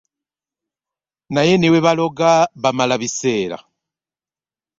Naye ne bwe baloga bamala biseera.